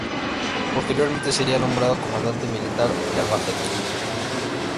Posteriormente sería nombrado Comandante militar de Albacete.